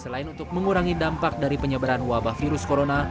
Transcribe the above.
selain untuk mengurangi dampak dari penyebaran wabah virus corona